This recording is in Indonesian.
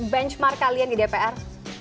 benchmark kalian di dpr